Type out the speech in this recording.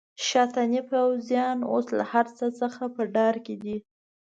شاتني پوځیان اوس له هرڅه څخه په ډار کې دي.